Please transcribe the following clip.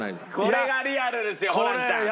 これがリアルですよホランちゃん。